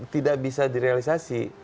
tidak bisa direalisasi